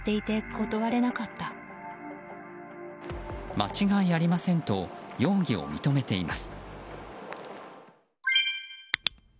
間違いありませんと容疑を認めています。